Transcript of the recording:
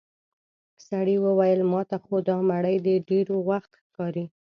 سړي وويل: ماته خو دا مړی د ډېر وخت ښکاري.